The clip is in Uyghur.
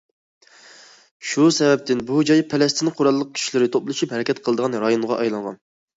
شۇ سەۋەبتىن، بۇ جاي پەلەستىن قوراللىق كۈچلىرى توپلىشىپ ھەرىكەت قىلىدىغان رايونغا ئايلانغان.